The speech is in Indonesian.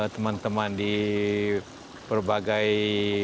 teman teman di berbagai